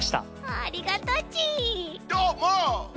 ありがとち！